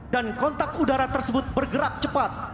dan kontak udara tersebut bergerak cepat